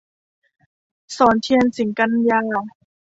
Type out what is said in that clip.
สรเทียน สิงกันยา